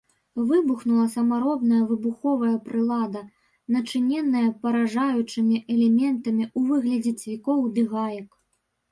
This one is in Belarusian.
Выбухнула самаробная выбуховая прылада, начыненая паражаючымі элементамі ў выглядзе цвікоў ды гаек.